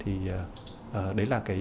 thì đấy là tổ chức của chúng tôi